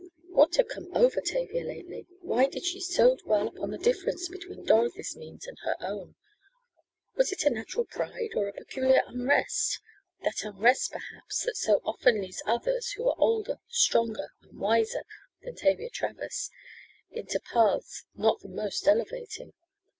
What had come over Tavia lately? Why did she so dwell upon the difference between Dorothy's means and her own? Was it a natural pride or a peculiar unrest that unrest, perhaps, that so often leads others, who are older, stronger and wiser than Tavia Travers, into paths not the most elevating?